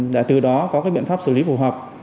và từ đó có các biện pháp xử lý phù hợp